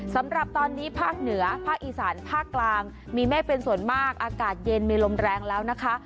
สำหรับตอนนี้ภาคเหนือภาคอีสานภาคกลางมีเมฆเป็นส่วนมากอากาศเย็นมีลมแรงแล้วนะคะ